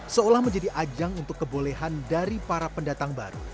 seolah menjadi ajang untuk kebolehan dari para pendatang baru